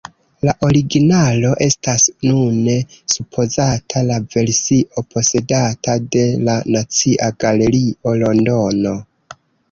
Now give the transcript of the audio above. La originalo estas nune supozata la versio posedata de la Nacia Galerio, Londono.